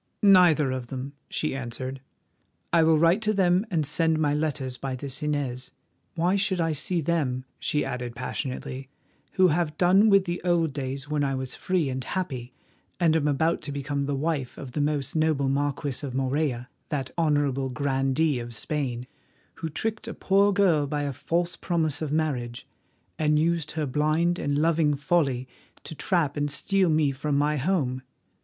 "Neither of them," she answered. "I will write to them and send my letters by this Inez. Why should I see them," she added passionately, "who have done with the old days when I was free and happy, and am about to become the wife of the most noble Marquis of Morella, that honourable grandee of Spain, who tricked a poor girl by a false promise of marriage, and used her blind and loving folly to trap and steal me from my home?